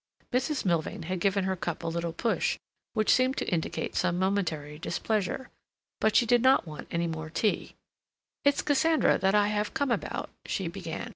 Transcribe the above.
Mrs. Milvain had given her cup a little push, which seemed to indicate some momentary displeasure. But she did not want any more tea. "It is Cassandra that I have come about," she began.